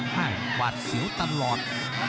หวาดเสียวตลอด